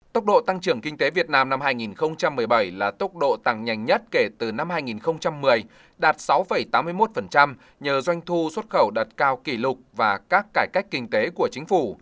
tốc độ tăng trưởng kinh tế việt nam năm hai nghìn một mươi bảy là tốc độ tăng nhanh nhất kể từ năm hai nghìn một mươi đạt sáu tám mươi một nhờ doanh thu xuất khẩu đặt cao kỷ lục và các cải cách kinh tế của chính phủ